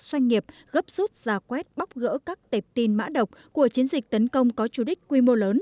doanh nghiệp gấp rút giả quét bóc gỡ các tệp tin mã độc của chiến dịch tấn công có chủ đích quy mô lớn